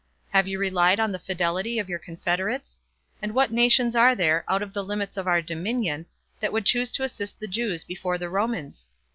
Have you relied on the fidelity of your confederates? And what nations are there, out of the limits of our dominion, that would choose to assist the Jews before the Romans?